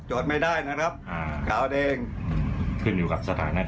ปล่อยละครับ